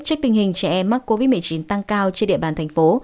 trước tình hình trẻ em mắc covid một mươi chín tăng cao trên địa bàn thành phố